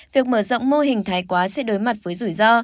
việc mở rộng mô hình thái quá sẽ đối mặt với rủi ro